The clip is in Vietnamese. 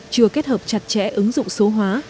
chưa kết hợp chặt chẽ ứng dụng số hóa